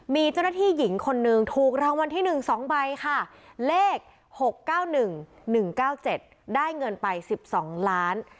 มีเจ้าหน้าที่หญิงคนนึงถูกรางวัลที่หนึ่งสองใบค่ะเลขหกเก้าหนึ่งหนึ่งเก้าเจ็ดได้เงินไปสิบสองล้าน